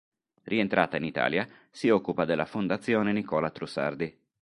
Rientrata in Italia, si occupa della Fondazione Nicola Trussardi.